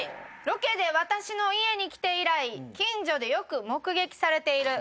「ロケで私の家に来て以来近所でよく目撃されている」